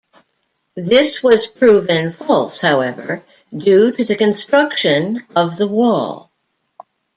This was proven false however due to the construction of the wall.